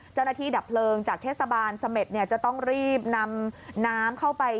เจ้าหน้าที่ดับเพลิงจากเทศบาลสมรรย์จะต้องรีบนำน้ำเข้าไป